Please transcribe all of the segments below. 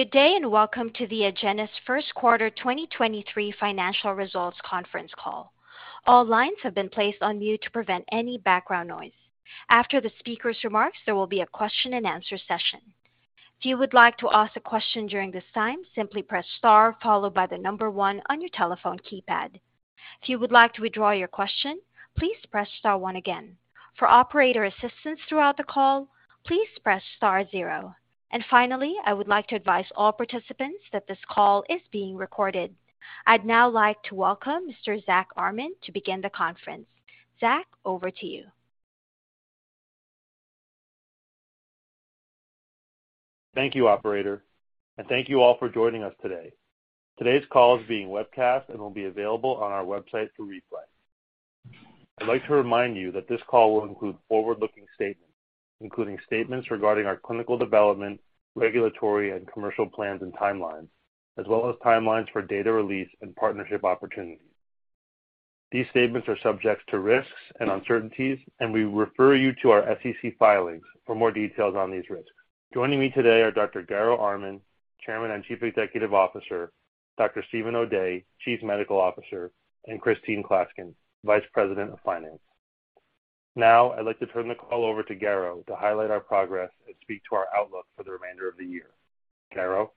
Good day, welcome to the Agenus First Quarter 2023 Financial Results Conference Call. All lines have been placed on mute to prevent any background noise. After the speaker's remarks, there will be a question-and-answer session. If you would like to ask a question during this time, simply press star followed by the one on your telephone keypad. If you would like to withdraw your question, please press star one again. For operator assistance throughout the call, please press star zero. Finally, I would like to advise all participants that this call is being recorded. I'd now like to welcome Mr. Zack Armen to begin the conference. Zack, over to you. Thank you, operator, and thank you all for joining us today. Today's call is being webcast and will be available on our website for replay. I'd like to remind you that this call will include forward-looking statements, including statements regarding our clinical development, regulatory and commercial plans and timelines, as well as timelines for data release and partnership opportunities. These statements are subject to risks and uncertainties, and we refer you to our SEC filings for more details on these risks. Joining me today are Dr. Garo Armen, Chairman and Chief Executive Officer, Dr. Steven O'Day, Chief Medical Officer, and Christine Klaskin, Vice President of Finance. Now, I'd like to turn the call over to Garo to highlight our progress and speak to our outlook for the remainder of the year. Garo?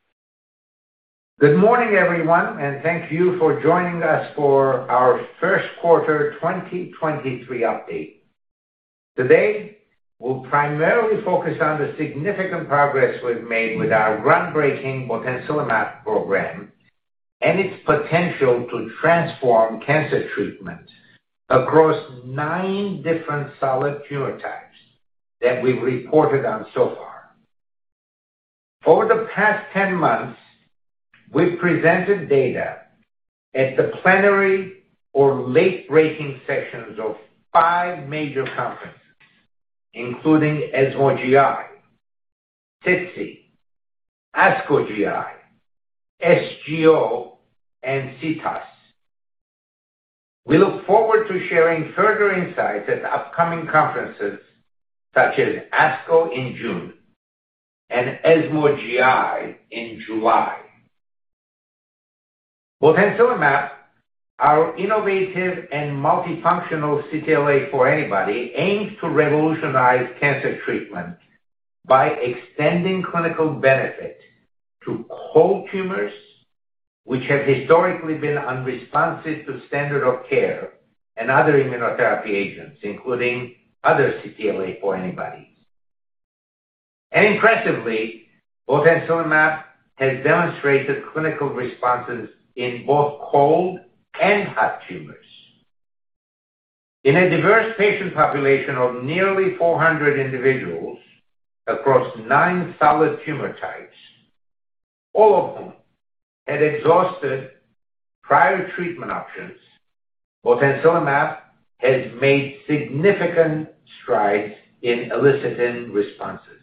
Good morning, everyone, and thank you for joining us for our first-quarter 2023 update. Today, we'll primarily focus on the significant progress we've made with our groundbreaking botensilimab program and its potential to transform cancer treatment across nine different solid tumor types that we've reported on so far. Over the past 10 months, we've presented data at the plenary or late-breaking sessions of five major conferences, including ESMO GI, SITC, ASCO GI, SGO, and CTOS. We look forward to sharing further insights at upcoming conferences such as ASCO in June and ESMO GI in July. Botensilimab, our innovative and multifunctional CTLA-4 antibody, aims to revolutionize cancer treatment by extending clinical benefit to cold tumors, which have historically been unresponsive to standard of care and other immunotherapy agents, including other CTLA-4 antibodies. Impressively, botensilimab has demonstrated clinical responses in both cold and hot tumors. In a diverse patient population of nearly 400 individuals across nine solid tumor types, all of whom had exhausted prior treatment options, botensilimab has made significant strides in eliciting responses,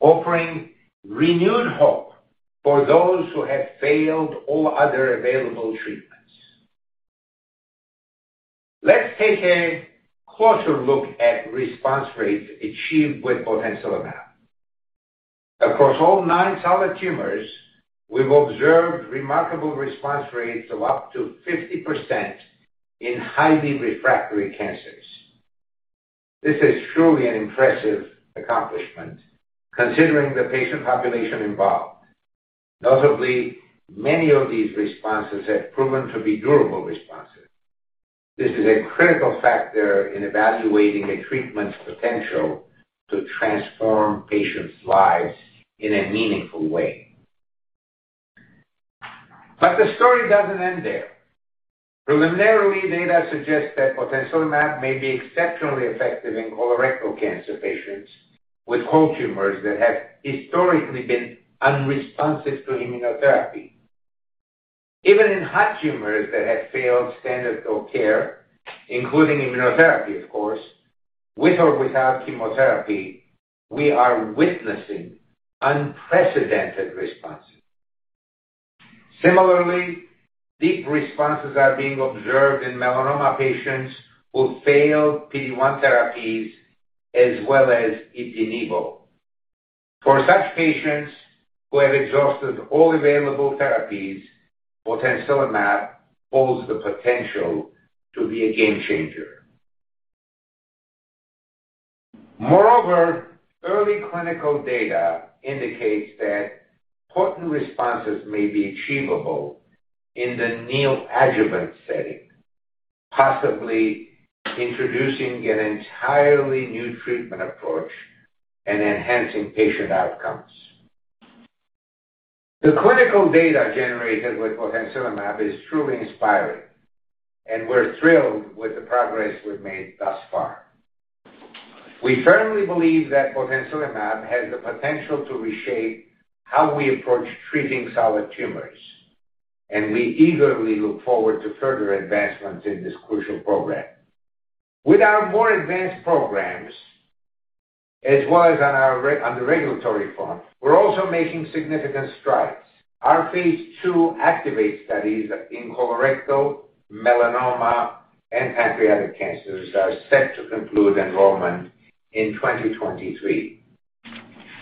offering renewed hope for those who have failed all other available treatments. Let's take a closer look at response rates achieved with botensilimab. Across all nine solid tumors, we've observed remarkable response rates of up to 50% in highly refractory cancers. This is truly an impressive accomplishment considering the patient population involved. Notably, many of these responses have proven to be durable responses. This is a critical factor in evaluating a treatment's potential to transform patients' lives in a meaningful way. The story doesn't end there. Preliminarily, data suggests that botensilimab may be exceptionally effective in colorectal cancer patients with cold tumors that have historically been unresponsive to immunotherapy. Even in hot tumors that have failed standard of care, including immunotherapy, of course, with or without chemotherapy, we are witnessing unprecedented responses. Similarly, deep responses are being observed in melanoma patients who failed PD-1 therapies as well as Ipi/Nivo. For such patients who have exhausted all available therapies, botensilimab holds the potential to be a game changer. Moreover, early clinical data indicates that potent responses may be achievable in the neoadjuvant setting, possibly introducing an entirely new treatment approach and enhancing patient outcomes. The clinical data generated with botensilimab is truly inspiring, and we're thrilled with the progress we've made thus far. We firmly believe that botensilimab has the potential to reshape how we approach treating solid tumors, and we eagerly look forward to further advancements in this crucial program. With our more advanced programs, as well as on the regulatory front, we're also making significant strides. Our phase II ACTIVATE studies in colorectal, melanoma, and pancreatic cancers are set to conclude enrollment in 2023,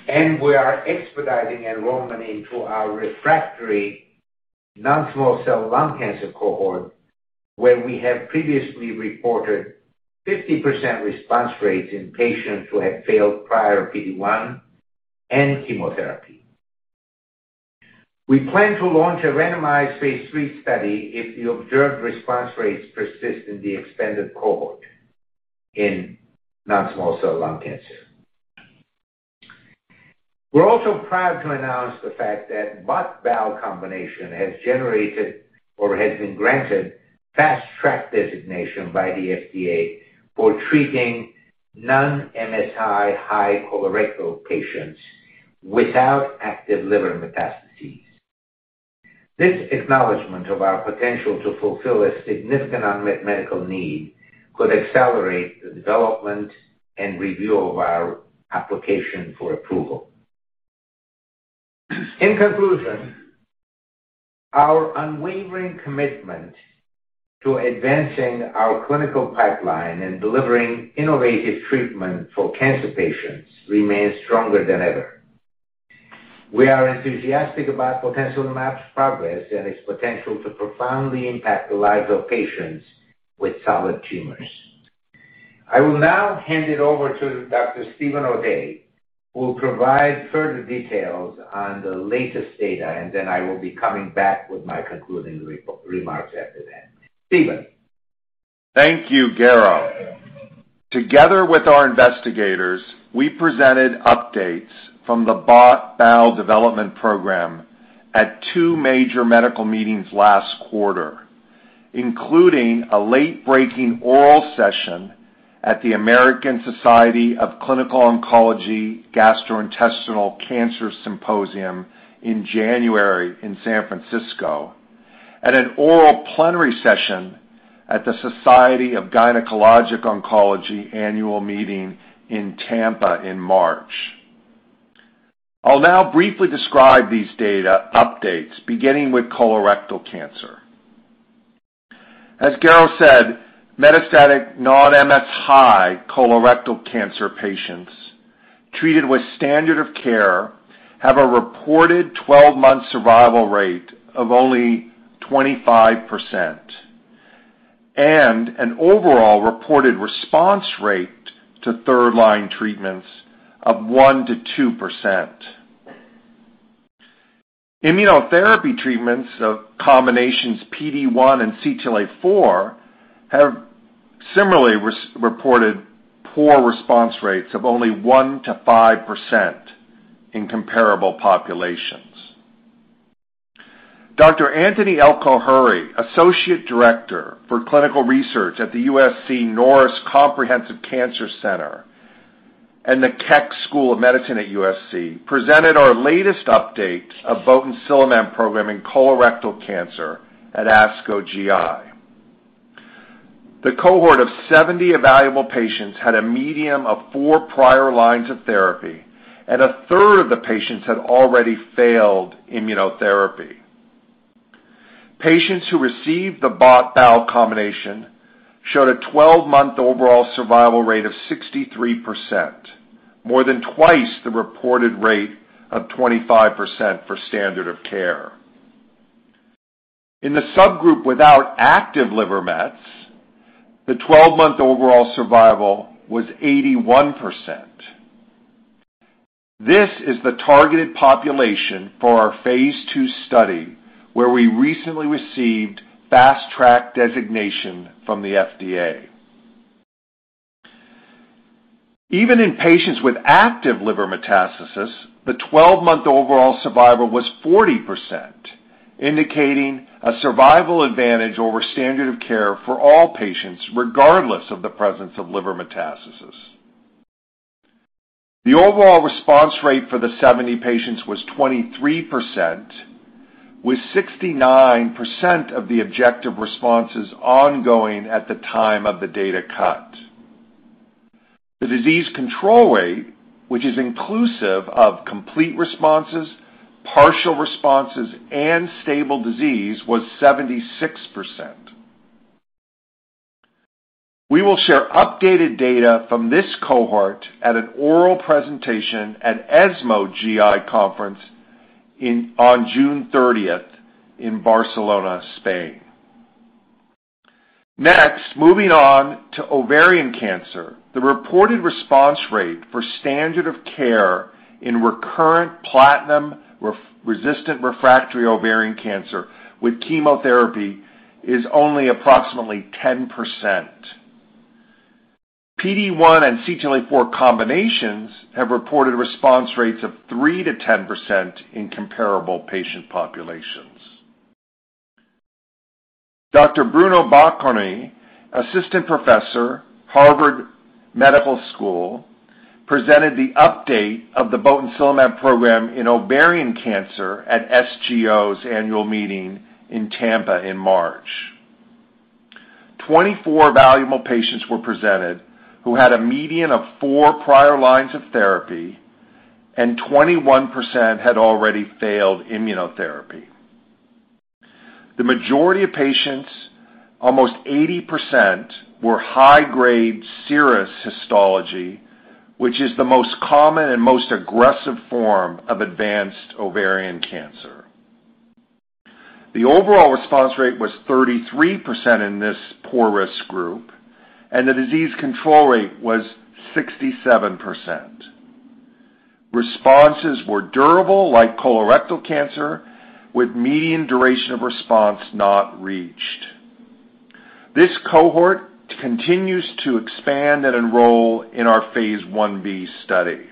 and we are expediting enrollment into our refractory non-small cell lung cancer cohort, where we have previously reported 50% response rates in patients who had failed prior PD-1 and chemotherapy. We plan to launch a randomized phase III study if the observed response rates persist in the expanded cohort in non-small cell lung cancer. We're also proud to announce the fact that BOT/BAL combination has generated or has been granted Fast Track designation by the FDA for treating non-MSI-H colorectal patients without active liver metastases. This acknowledgment of our potential to fulfill a significant unmet medical need could accelerate the development and review of our application for approval. In conclusion, our unwavering commitment to advancing our clinical pipeline and delivering innovative treatment for cancer patients remains stronger than ever. We are enthusiastic about botensilimab's progress and its potential to profoundly impact the lives of patients with solid tumors. I will now hand it over to Dr. Steven O'Day, who will provide further details on the latest data, and then I will be coming back with my concluding remarks after that. Steven? Thank you, Garo. Together with our investigators, we presented updates from the BOT/BAL development program at two major medical meetings last quarter, including a late-breaking oral session at the ASCO Gastrointestinal Cancers Symposium in January in San Francisco at an oral plenary session at the Society of Gynecologic Oncology annual meeting in Tampa in March. I'll now briefly describe these data updates, beginning with colorectal cancer. As Garo said, metastatic non-MSI colorectal cancer patients treated with standard of care have a reported 12-month survival rate of only 25% and an overall reported response rate to third-line treatments of 1%-2%. Immunotherapy treatments of combinations PD-1 and CTLA-4 have similarly reported poor response rates of only 1%-5% in comparable populations. Anthony El-Khoueiry, Associate Director for Clinical Research at the USC Norris Comprehensive Cancer Center and the Keck School of Medicine of USC, presented our latest update of botensilimab program in colorectal cancer at ASCO GI. The cohort of 70 evaluable patients had a median of four prior lines of therapy, and a third of the patients had already failed immunotherapy. Patients who received the BOT/BAL combination showed a 12-month overall survival rate of 63%, more than twice the reported rate of 25% for standard of care. In the subgroup without active liver mets, the 12-month overall survival was 81%. This is the targeted population for our phase II study, where we recently received Fast Track designation from the FDA. Even in patients with active liver metastasis, the 12-month overall survival was 40%, indicating a survival advantage over standard of care for all patients, regardless of the presence of liver metastasis. The overall response rate for the 70 patients was 23%, with 69% of the objective responses ongoing at the time of the data cut. The disease control rate, which is inclusive of complete responses, partial responses, and stable disease, was 76%. We will share updated data from this cohort at an oral presentation at ESMO GI Conference on June 30th in Barcelona, Spain. Moving on to ovarian cancer. The reported response rate for standard of care in recurrent platinum-resistant refractory ovarian cancer with chemotherapy is only approximately 10%. PD-1 and CTLA-4 combinations have reported response rates of 3%-10% in comparable patient populations. Dr. Bruno Bockorny, Assistant Professor, Harvard Medical School, presented the update of the botensilimab program in ovarian cancer at SGO annual meeting in Tampa in March. 24 valuable patients were presented who had a median of four prior lines of therapy and 21% had already failed immunotherapy. The majority of patients, almost 80%, were high-grade serous histology, which is the most common and most aggressive form of advanced ovarian cancer. The overall response rate was 33% in this poor risk group, and the disease control rate was 67%. Responses were durable like colorectal cancer, with median duration of response not reached. This cohort continues to expand and enroll in our phase I-B study.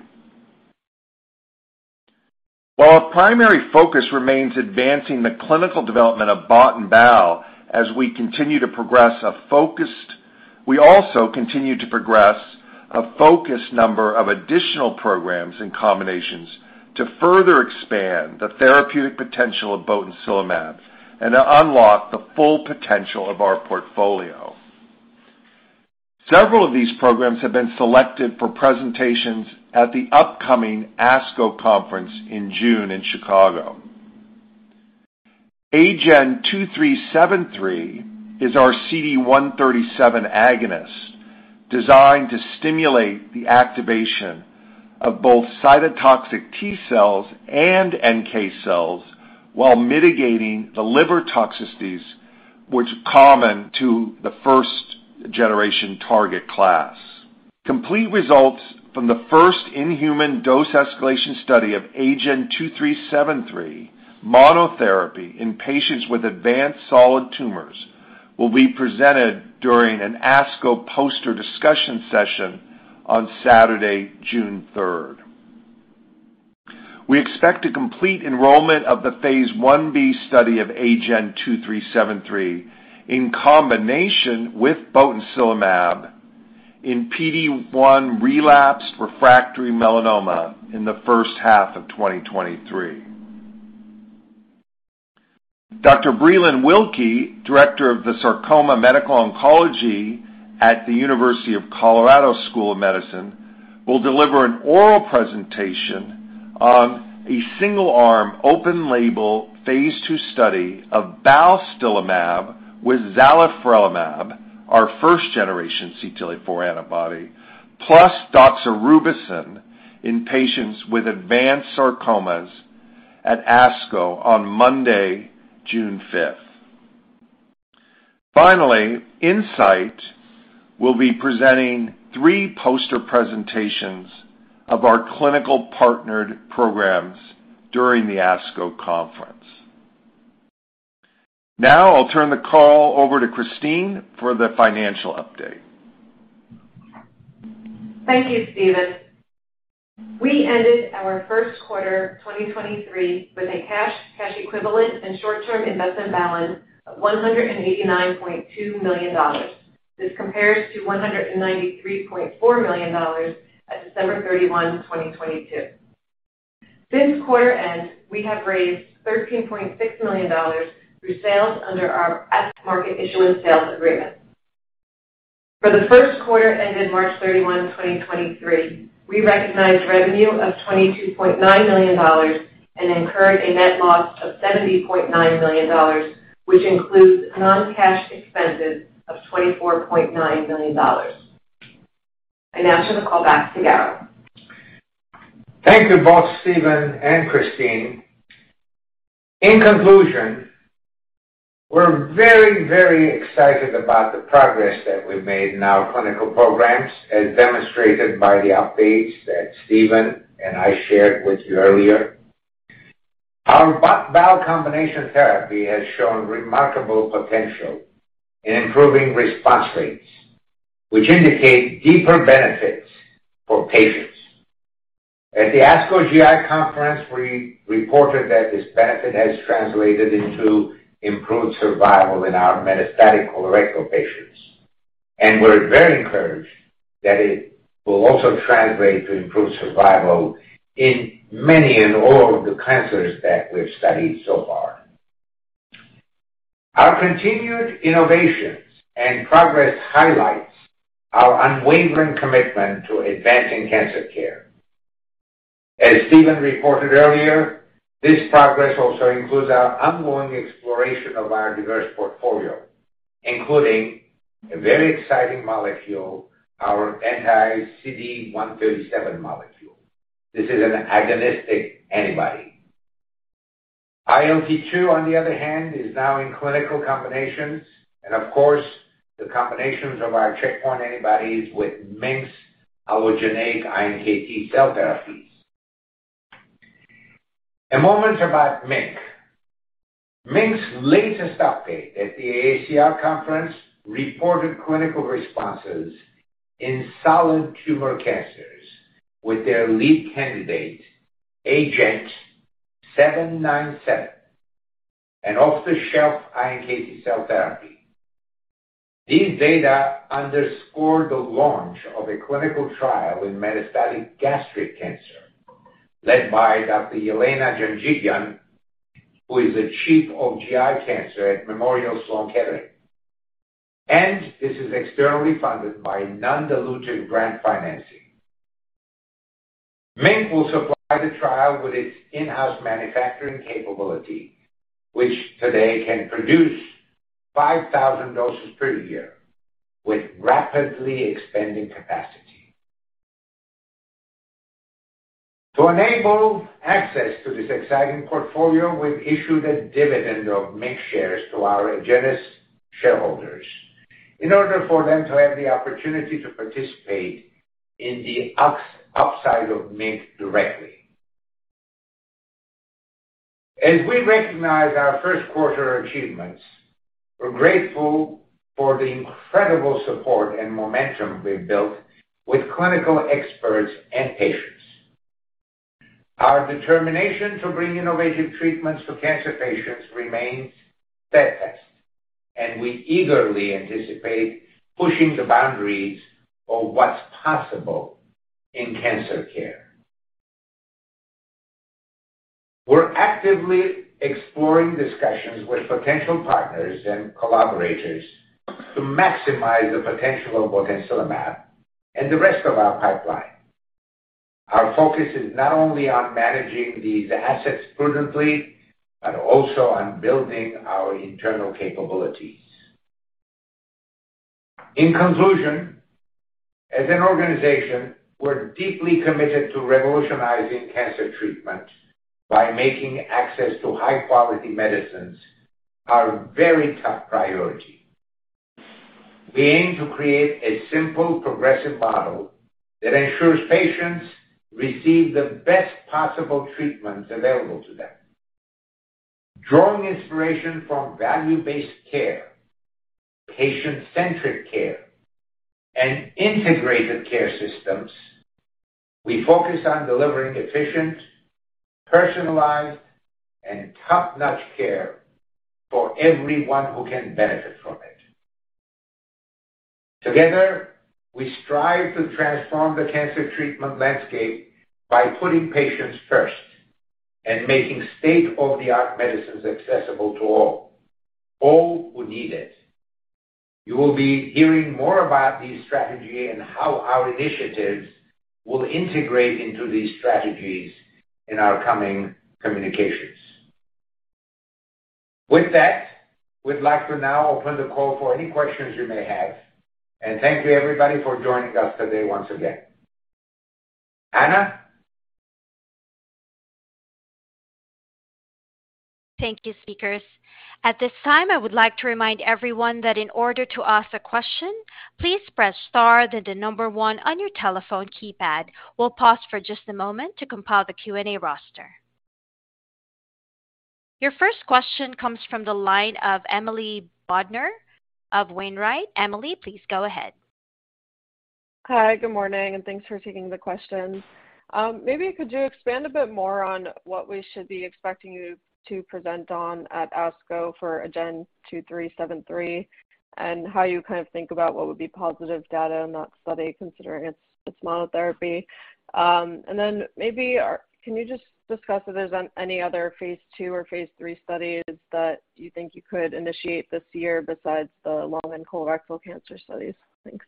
While our primary focus remains advancing the clinical development of BOT and BAL as we continue to progress a focused. We also continue to progress a focused number of additional programs and combinations to further expand the therapeutic potential of botensilimab and to unlock the full potential of our portfolio. Several of these programs have been selected for presentations at the upcoming ASCO conference in June in Chicago. AGEN2373 is our CD137 agonist designed to stimulate the activation of both cytotoxic T cells and NK cells while mitigating the liver toxicities which are common to the first-generation target class. Complete results from the first-in-human dose escalation study of AGEN2373 monotherapy in patients with advanced solid tumors will be presented during an ASCO poster discussion session on Saturday, June 3rd. We expect to complete enrollment of the phase I-B study of AGEN2373 in combination with botensilimab in PD-1 relapsed refractory melanoma in the first half of 2023. Dr. Breelyn Wilky, Director of the Sarcoma Medical Oncology at the University of Colorado School of Medicine, will deliver an oral presentation on a single arm open label phase II study of balstilimab with zalifrelimab, our first generation CTLA-4 antibody, plus doxorubicin in patients with advanced sarcomas at ASCO on Monday, June 5th. Incyte will be presenting three poster presentations of our clinical partnered programs during the ASCO conference. I'll turn the call over to Christine for the financial update. Thank you, Steven. We ended our first quarter 2023 with a cash equivalent and short term investment balance of $189.2 million. This compares to $193.4 million at December 31, 2022. Since quarter end, we have raised $13.6 million through sales under our At-the-Market issuance sales agreement. For the first quarter ended March 31, 2023, we recognized revenue of $22.9 million and incurred a net loss of $70.9 million, which includes non-cash expenses of $24.9 million. I now turn the call back to Garo. Thank you both Steven and Christine. In conclusion, we're very, very excited about the progress that we've made in our clinical programs, as demonstrated by the updates that Steven and I shared with you earlier. Our BOT/BAL combination therapy has shown remarkable potential in improving response rates, which indicate deeper benefits for patients. At the ASCO GI conference, we reported that this benefit has translated into improved survival in our metastatic colorectal patients, and we're very encouraged that it will also translate to improved survival in many and all of the cancers that we've studied so far. Our continued innovations and progress highlights our unwavering commitment to advancing cancer care. As Steven reported earlier, this progress also includes our ongoing exploration of our diverse portfolio, including a very exciting molecule, our anti-CD137 molecule. This is an agonistic antibody. ILT2 on the other hand, is now in clinical combinations and of course the combinations of our checkpoint antibodies with MiNK, our genetic iNKT cell therapies. A moment about MiNK. MiNK latest update at the AACR conference reported clinical responses in solid tumor cancers with their lead candidate, agenT-797, an off-the-shelf iNKT cell therapy. These data underscore the launch of a clinical trial in metastatic gastric cancer led by Dr. Yelena Janjigian, who is the chief of GI cancer at Memorial Sloan Kettering. This is externally funded by non-dilutive grant financing. MiNK will supply the trial with its in-house manufacturing capability, which today can produce 5,000 doses per year with rapidly expanding capacity. To enable access to this exciting portfolio, we've issued a dividend of MiNK shares to our Agenus shareholders in order for them to have the opportunity to participate in the upside of MiNK directly. As we recognize our first quarter achievements, we're grateful for the incredible support and momentum we've built with clinical experts and patients. Our determination to bring innovative treatments to cancer patients remains steadfast. We eagerly anticipate pushing the boundaries of what's possible in cancer care. We're actively exploring discussions with potential partners and collaborators to maximize the potential of botensilimab and the rest of our pipeline. Our focus is not only on managing these assets prudently, also on building our internal capabilities. In conclusion, as an organization, we're deeply committed to revolutionizing cancer treatment by making access to high-quality medicines our very top priority. We aim to create a simple, progressive model that ensures patients receive the best possible treatments available to them. Drawing inspiration from value-based care, patient-centric care, and integrated care systems, we focus on delivering efficient, personalized, and top-notch care for everyone who can benefit from it. Together, we strive to transform the cancer treatment landscape by putting patients first and making state-of-the-art medicines accessible to all who need it. You will be hearing more about this strategy and how our initiatives will integrate into these strategies in our coming communications. With that, we'd like to now open the call for any questions you may have, and thank you everybody for joining us today once again. Anna? Thank you, speakers. At this time, I would like to remind everyone that in order to ask a question, please press star, then the number one on your telephone keypad. We'll pause for just a moment to compile the Q&A roster. Your first question comes from the line of Emily Bodnar of Wainwright. Emily, please go ahead. Hi, good morning, and thanks for taking the questions. Maybe could you expand a bit more on what we should be expecting you to present on at ASCO for AGEN2373, and how you kind of think about what would be positive data in that study, considering it's monotherapy? Maybe can you just discuss if there's any other phase II or phase III studies that you think you could initiate this year besides the lung and colorectal cancer studies? Thanks.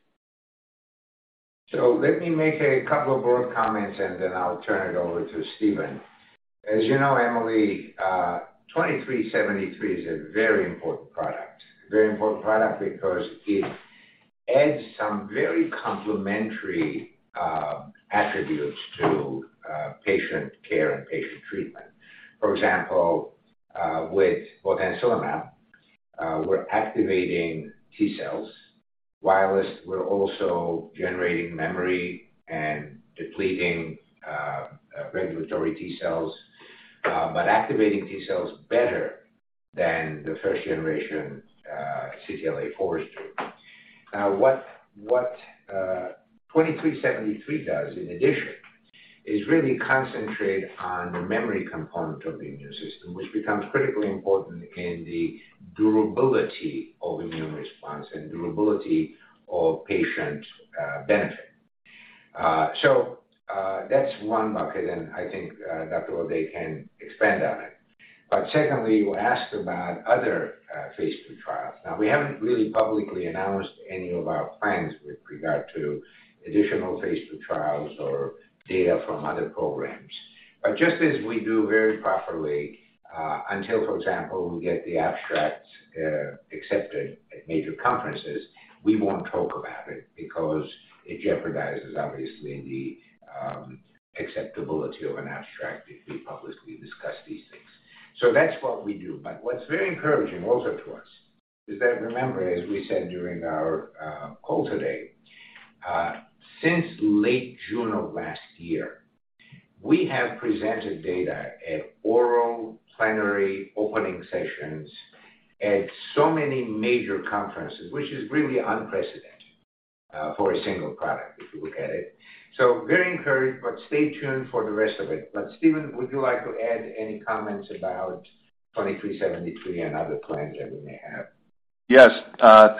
Let me make a couple of broad comments, and then I'll turn it over to Steven O'Day. As you know, Emily Bodnar, AGEN2373 is a very important product. A very important product because it adds some very complementary attributes to patient care and patient treatment. For example, with botensilimab, we're activating T cells, whilst we're also generating memory and depleting regulatory T cells, but activating T cells better than the first generation CTLA-4's doing. Now what AGEN2373 does in addition is really concentrate on the memory component of the immune system, which becomes critically important in the durability of immune response and durability of patient benefit. That's one bucket, and I think Dr. O'Day can expand on it. Secondly, you asked about other phase II trials. We haven't really publicly announced any of our plans with regard to additional phase II trials or data from other programs. Just as we do very properly, until for example, we get the abstracts accepted at major conferences, we won't talk about it because it jeopardizes obviously the acceptability of an abstract if we publicly discuss these things. That's what we do. What's very encouraging also to us is that, remember, as we said during our call today, since late June of last year, we have presented data at oral plenary opening sessions at so many major conferences, which is really unprecedented for a single product, if you look at it. Very encouraged, but stay tuned for the rest of it. Steven, would you like to add any comments about AGEN2373 and other plans that we may have? Yes.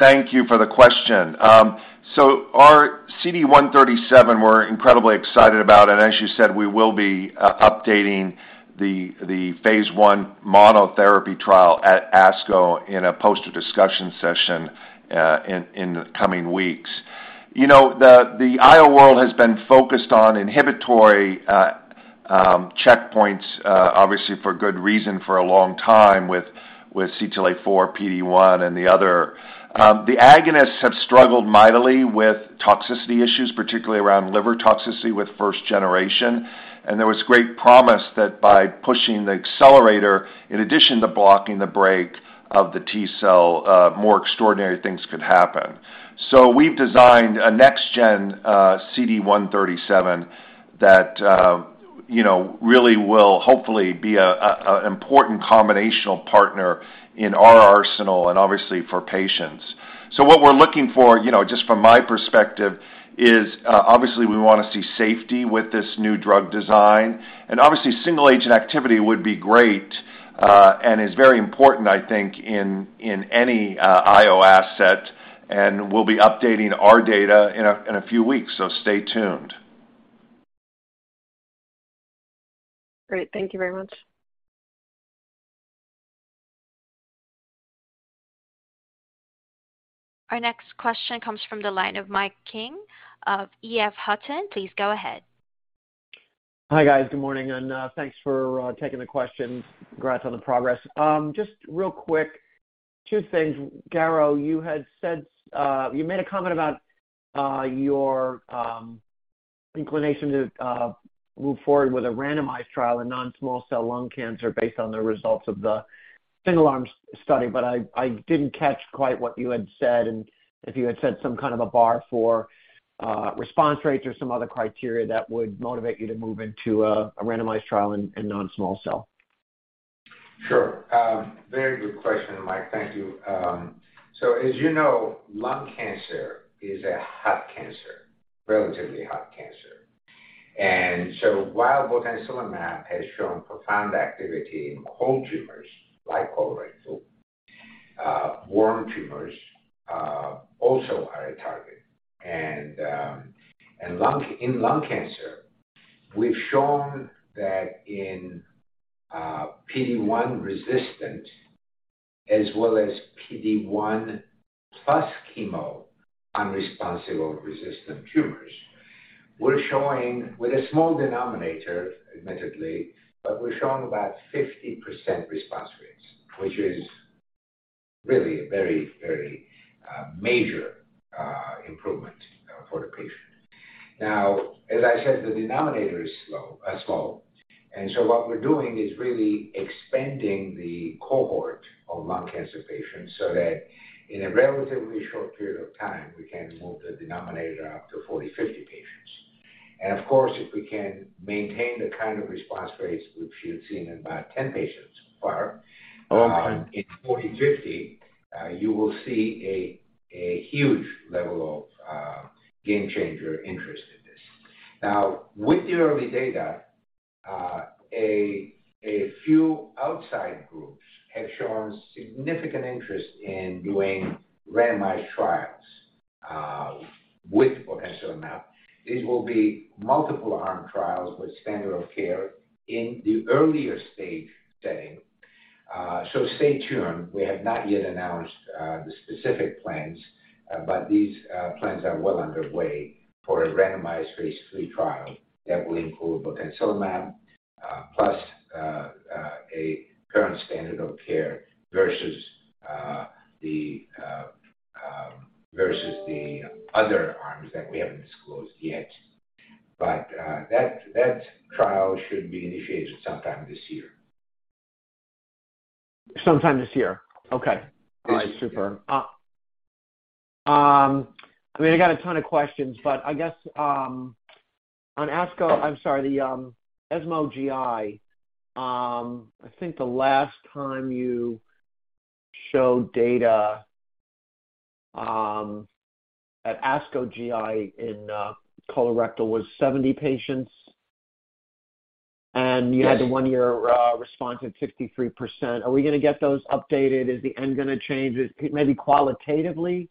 Thank you for the question. Our CD137 we're incredibly excited about, and as you said, we will be updating the phase I monotherapy trial at ASCO in a poster discussion session in the coming weeks. You know, the IO world has been focused on inhibitory checkpoints, obviously for good reason for a long time with CTLA-4, PD-1, and the other. The agonists have struggled mightily with toxicity issues, particularly around liver toxicity with first generation. There was great promise that by pushing the accelerator in addition to blocking the break of the T cell, more extraordinary things could happen. We've designed a next gen CD137 that, you know, really will hopefully be a important combinational partner in our arsenal and obviously for patients. What we're looking for, you know, just from my perspective, is, obviously we wanna see safety with this new drug design. Obviously single agent activity would be great, and is very important, I think, in any IO asset. We'll be updating our data in a few weeks, so stay tuned. Great. Thank you very much. Our next question comes from the line of Mike King of EF Hutton. Please go ahead. Hi, guys. Good morning, thanks for taking the questions. Congrats on the progress. Just real quick, two things. Garo, you had said, you made a comment about your inclination to move forward with a randomized trial in non-small cell lung cancer based on the results of the single-arm study, I didn't catch quite what you had said and if you had set some kind of a bar for response rates or some other criteria that would motivate you to move into a randomized trial in non-small cell. Sure. Very good question, Mike King. Thank you. As you know, lung cancer is a hot cancer, relatively hot cancer. While botensilimab has shown profound activity in cold tumors like colorectal, warm tumors also are a target. In lung cancer, we've shown that in PD-1 resistant as well as PD-1 plus chemo unresponsive or resistant tumors, we're showing with a small denominator, admittedly, but we're showing about 50% response rates, which is really a very, very major improvement for the patient. As I said, the denominator is slow, small, what we're doing is really expanding the cohort of lung cancer patients so that in a relatively short period of time, we can move the denominator up to 40, 50 patients. Of course, if we can maintain the kind of response rates which we've seen in about 10 patients so far in 40, 50, you will see a huge level of game changer interest in this. With the early data, a few outside groups have shown significant interest in doing randomized trials with botensilimab. These will be multiple arm trials with standard of care in the earlier stage setting. Stay tuned. We have not yet announced the specific plans, but these plans are well underway for a randomized phase III trial that will include botensilimab plus a current standard of care versus the other arms that we haven't disclosed yet. That trial should be initiated sometime this year. Sometime this year? Okay. Yes. All right. Super. I mean, I got a ton of questions, but I guess, on ASCO. I'm sorry. The ESMO GI, I think the last time you showed data, at ASCO GI in colorectal was 70 patients. Yes. You had the 1-year response at 53%. Are we gonna get those updated? Is the end gonna change? Is maybe qualitatively,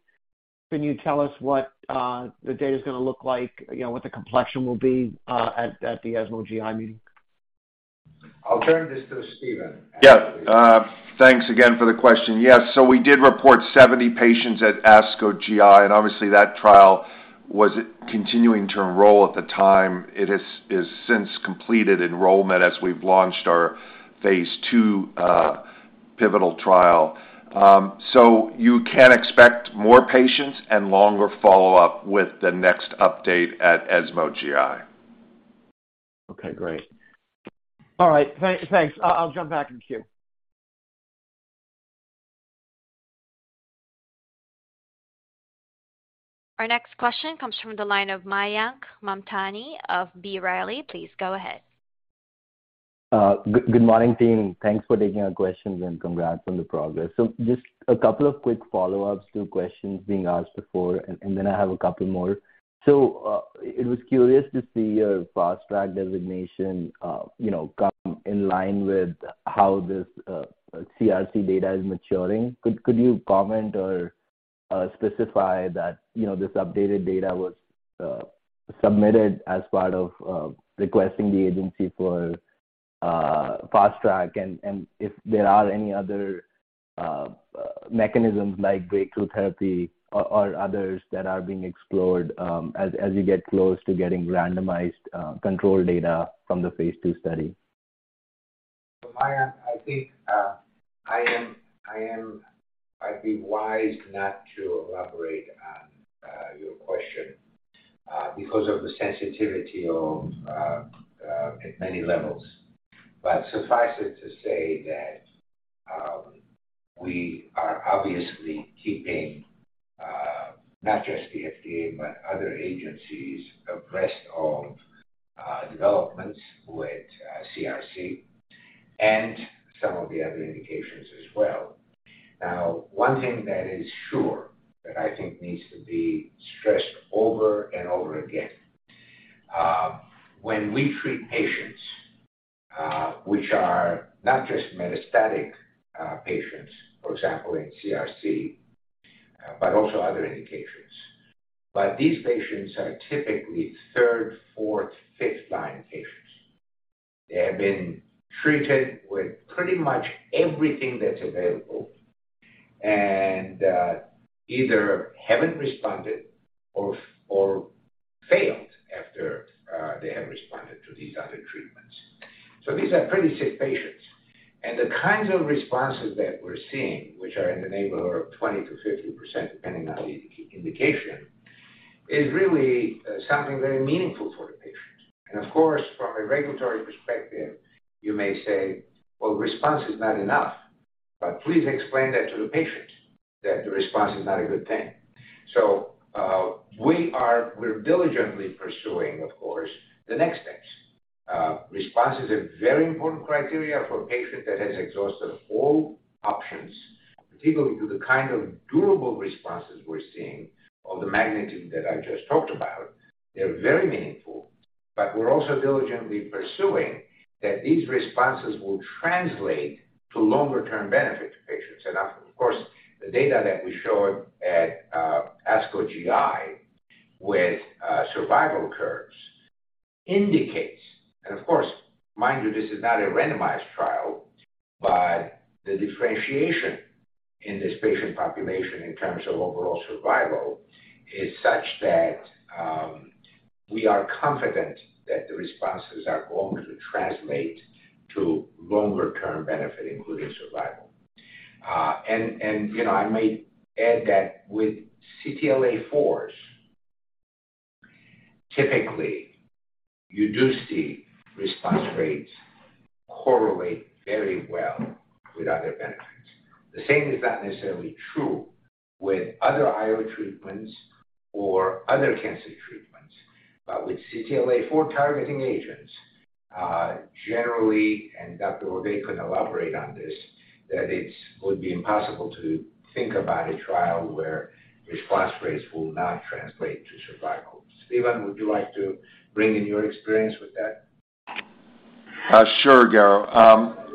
can you tell us what the data's gonna look like, you know, what the complexion will be at the ESMO GI meeting? I'll turn this to Steven. Yeah. Thanks again for the question. Yes. We did report 70 patients at ASCO GI, and obviously that trial was continuing to enroll at the time. It has since completed enrollment as we've launched our phase II pivotal trial. You can expect more patients and longer follow-up with the next update at ESMO GI. Okay, great. All right. Thanks. I'll jump back in queue. Our next question comes from the line of Mayank Mamtani of B. Riley. Please go ahead. Good morning, team. Thanks for taking our questions, and congrats on the progress. Just a couple of quick follow-ups to questions being asked before, and then I have a couple more. It was curious to see your Fast Track designation, you know, come in line with how this CRC data is maturing. Could you comment or specify that, you know, this updated data was submitted as part of requesting the agency for Fast Track and if there are any other mechanisms like breakthrough therapy or others that are being explored as you get close to getting randomized control data from the phase II study? Mayank, I think I'd be wise not to elaborate on your question because of the sensitivity at many levels. Suffice it to say that we are obviously keeping not just the FDA, but other agencies abreast on developments with CRC and some of the other indications as well. One thing that is sure that I think needs to be stressed over and over again when we treat patients which are not just metastatic patients, for example, in CRC, but also other indications. These patients are typically third, fourth, fifth-line patients. They have been treated with pretty much everything that's available and either haven't responded or failed after they have responded to these other treatments. These are pretty sick patients. The kinds of responses that we're seeing, which are in the neighborhood of 20%-50%, depending on the indication, is really something very meaningful for the patient. Of course, from a regulatory perspective, you may say, "Well, response is not enough," but please explain that to the patient, that the response is not a good thing. We're diligently pursuing, of course, the next steps. Response is a very important criteria for a patient that has exhausted all options, particularly to the kind of durable responses we're seeing of the magnitude that I just talked about. They're very meaningful, but we're also diligently pursuing that these responses will translate to longer-term benefit to patients. Of course, the data that we showed at ASCO GI with survival curves indicates. Of course, mind you, this is not a randomized trial. The differentiation in this patient population in terms of overall survival is such that, we are confident that the responses are going to translate to longer-term benefit, including survival. You know, I may add that with CTLA-4s, typically you do see response rates correlate very well with other benefits. The same is not necessarily true with other IO treatments or other cancer treatments. With CTLA-4 targeting agents, generally, and Dr. O'Day can elaborate on this, that it's would be impossible to think about a trial where response rates will not translate to survival. Steven, would you like to bring in your experience with that? Sure, Garo.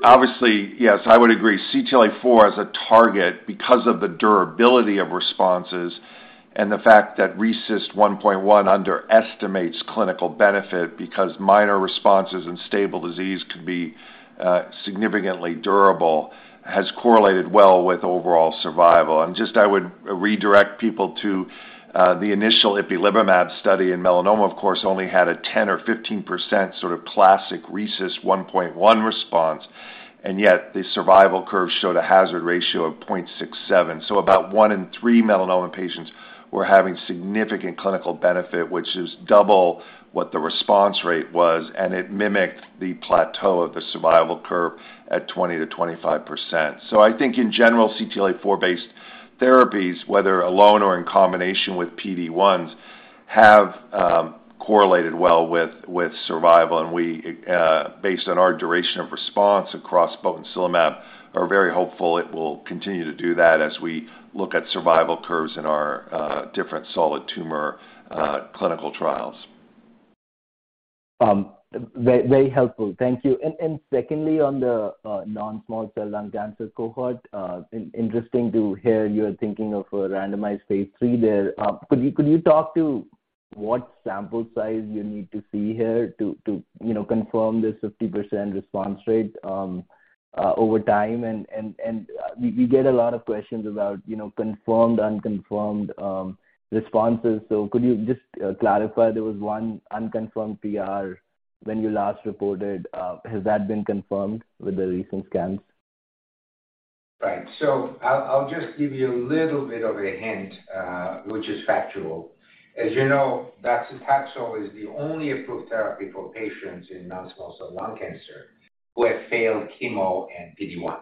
Obviously, yes, I would agree. CTLA-4 as a target, because of the durability of responses and the fact that RECIST 1.1 underestimates clinical benefit because minor responses and stable disease can be significantly durable, has correlated well with overall survival. Just I would redirect people to the initial ipilimumab study in melanoma, of course, only had a 10% or 15% sort of classic RECIST 1.1 response, yet the survival curve showed a hazard ratio of 0.67. About one in three melanoma patients were having significant clinical benefit, which is double what the response rate was, and it mimicked the plateau of the survival curve at 20%-25%. I think in general, CTLA-4 based therapies, whether alone or in combination with PD-1s, have correlated well with survival. We, based on our duration of response across botensilimab, are very hopeful it will continue to do that as we look at survival curves in our, different solid tumor, clinical trials. Very helpful. Thank you. Secondly, on the non-small cell lung cancer cohort, interesting to hear you're thinking of a randomized phase III there. Could you talk to what sample size you need to see here to, you know, confirm this 50% response rate over time? We get a lot of questions about, you know, confirmed, unconfirmed responses. Could you just clarify? There was one unconfirmed PR when you last reported. Has that been confirmed with the recent scans? Right. I'll just give you a little bit of a hint, which is factual. As you know, docetaxel is the only approved therapy for patients in non-small cell lung cancer who have failed chemo and PD-1.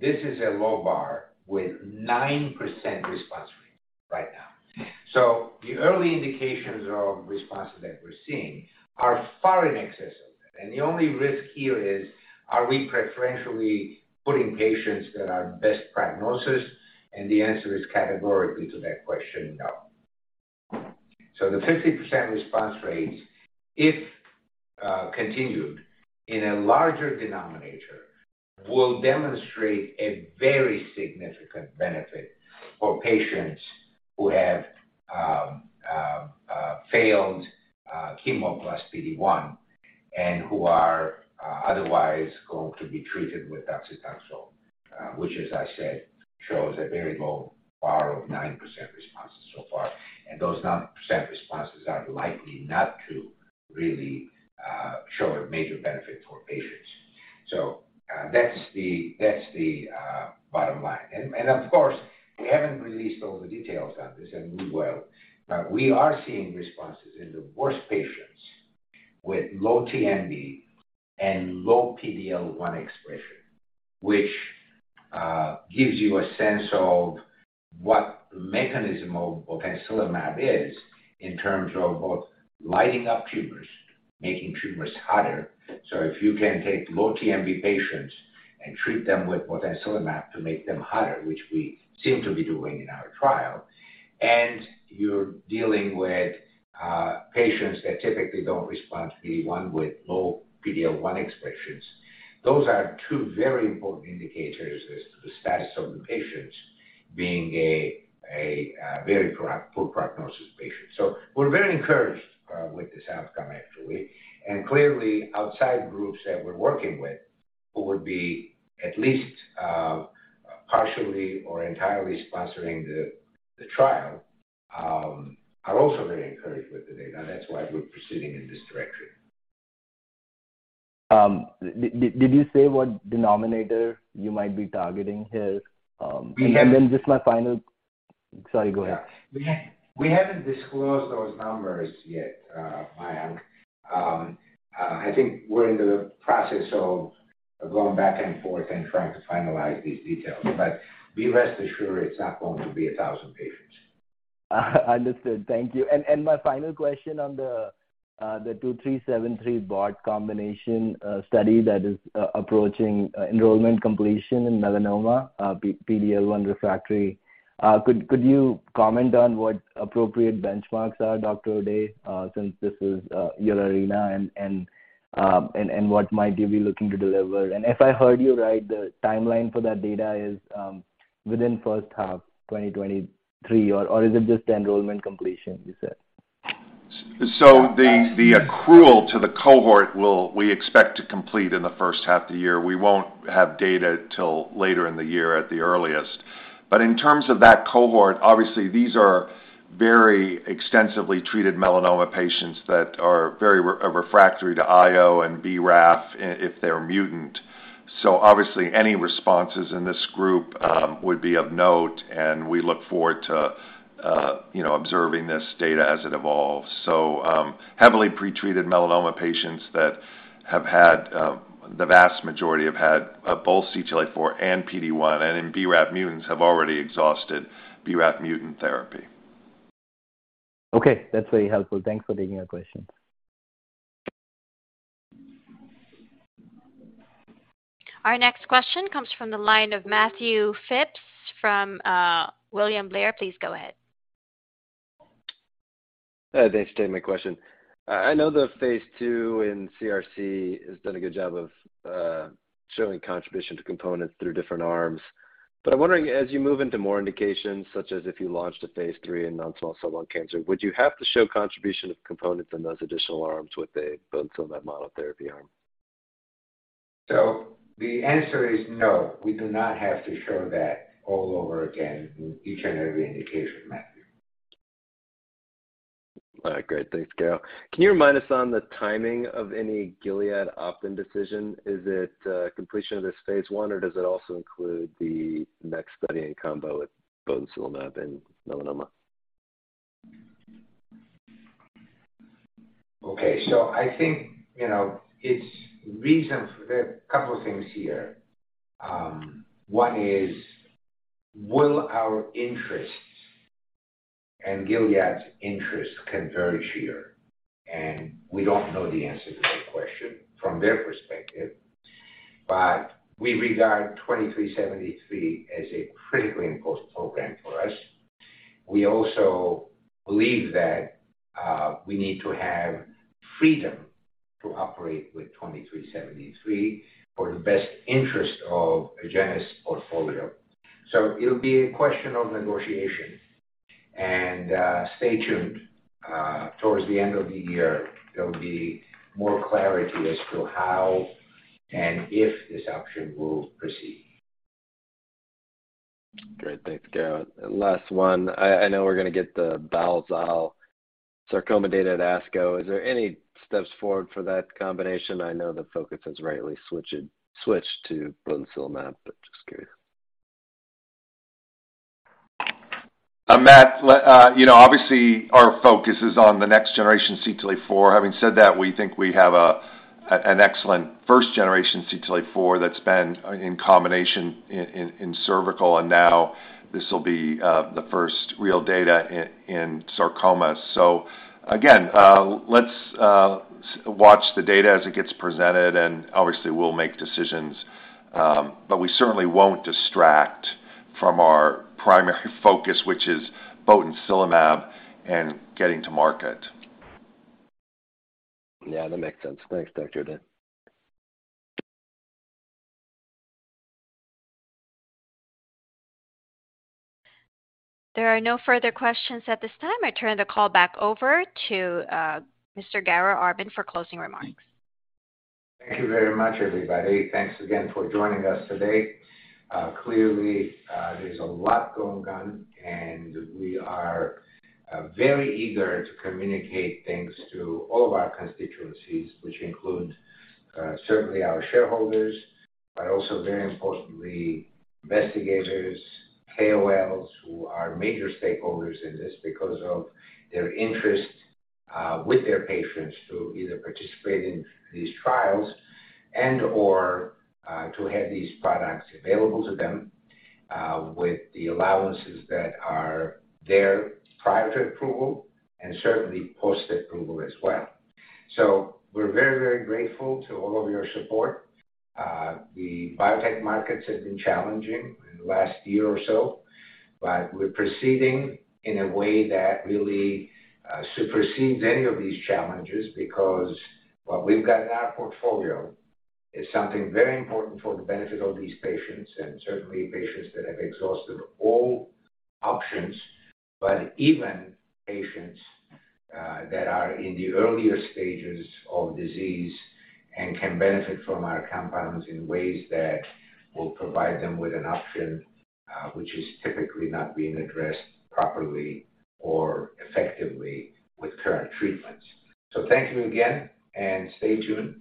This is a low bar with 9% response rate right now. The early indications of responses that we're seeing are far in excess of that. The only risk here is, are we preferentially putting patients that are best prognosis? The answer is categorically to that question, no. The 50% response rates, if continued in a larger denominator, will demonstrate a very significant benefit for patients who have failed chemo plus PD-1 and who are otherwise going to be treated with docetaxel, which as I said, shows a very low bar of 9% responses so far. Those 9% responses are likely not to really show a major benefit for patients. That's the bottom line. Of course, we haven't released all the details on this, and we will. We are seeing responses in the worst patients with low TMB and low PD-L1 expression, which gives you a sense of what mechanism of botensilimab is in terms of both lighting up tumors, making tumors hotter. If you can take low TMB patients and treat them with botensilimab to make them hotter, which we seem to be doing in our trial, and you're dealing with patients that typically don't respond to PD-1 with low PD-L1 expressions, those are two very important indicators as to the status of the patients being a very poor prognosis patient. We're very encouraged with this outcome actually. Clearly, outside groups that we're working with who would be at least partially or entirely sponsoring the trial, are also very encouraged with the data. That's why we're proceeding in this direction. Did you say what denominator you might be targeting here? Just my final. Sorry, go ahead. Yeah. We haven't disclosed those numbers yet, Mayank. I think we're in the process of going back and forth and trying to finalize these details. Be rest assured it's not going to be 1,000 patients. Understood. Thank you. My final question on the 2373 bot combination study that is approaching enrollment completion in melanoma, PD-PDL1 refractory, could you comment on what appropriate benchmarks are, Dr. O'Day, since this is your arena and what might you be looking to deliver? If I heard you right, the timeline for that data is within first half 2023 or is it just the enrollment completion, you said? The accrual to the cohort we expect to complete in the first half of the year. We won't have data till later in the year at the earliest. In terms of that cohort, obviously these are very extensively treated melanoma patients that are very refractory to IO and BRAF if they're mutant. Obviously any responses in this group would be of note, and we look forward to, you know, observing this data as it evolves. Heavily pretreated melanoma patients that have had the vast majority have had both CTLA-4 and PD-1, and in BRAF mutants have already exhausted BRAF mutant therapy. Okay. That's very helpful. Thanks for taking our questions. Our next question comes from the line of Matthew Phipps from William Blair. Please go ahead. Thanks. Stay with my question. I know the phase II in CRC has done a good job of showing contribution to components through different arms. I'm wondering, as you move into more indications, such as if you launched a phase III in non-small cell lung cancer, would you have to show contribution of components in those additional arms with a botensilimab monotherapy arm? The answer is no. We do not have to show that all over again in each and every indication, Matt. All right. Great. Thanks, Garo. Can you remind us on the timing of any Gilead opt-in decision? Is it completion of this phase I, or does it also include the next study in combo with botensilimab in melanoma? Okay. I think, you know, it's reason for the couple things here. One is, will our interests and Gilead's interests converge here? We don't know the answer to that question from their perspective. We regard 2373 as a critically important program for us. We also believe that we need to have freedom to operate with 2373 for the best interest of Agenus' portfolio. It'll be a question of negotiation. Stay tuned towards the end of the year, there will be more clarity as to how and if this option will proceed. Great. Thanks, Garo. Last one. I know we're gonna get the balstilimab sarcoma data at ASCO. Is there any steps forward for that combination? I know the focus has rightly switched to botensilimab, but just curious. Matt, you know, obviously our focus is on the next generation CTLA-4. Having said that, we think we have an excellent first generation CTLA-4 that's been in combination in cervical, and now this will be the first real data in sarcoma. Again, let's watch the data as it gets presented, and obviously we'll make decisions. We certainly won't distract from our primary focus, which is botensilimab and getting to market. Yeah, that makes sense. Thanks, Dr. O'Day. There are no further questions at this time. I turn the call back over to Mr. Garo Armen for closing remarks. Thank you very much, everybody. Thanks again for joining us today. Clearly, there's a lot going on, and we are very eager to communicate things to all of our constituencies, which include certainly our shareholders, but also very importantly, investigators, KOLs, who are major stakeholders in this because of their interest, with their patients to either participate in these trials and/or, to have these products available to them, with the allowances that are there prior to approval and certainly post-approval as well. We're very, very grateful to all of your support. The biotech markets have been challenging in the last year or so, but we're proceeding in a way that really supersedes any of these challenges because what we've got in our portfolio is something very important for the benefit of these patients and certainly patients that have exhausted all options, but even patients that are in the earlier stages of disease and can benefit from our compounds in ways that will provide them with an option which is typically not being addressed properly or effectively with current treatments. Thank you again, and stay tuned.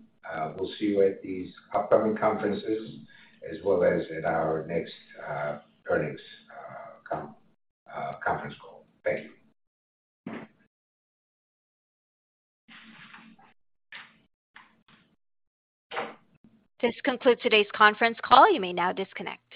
We'll see you at these upcoming conferences as well as at our next earnings conference call. Thank you. This concludes today's conference call. You may now disconnect.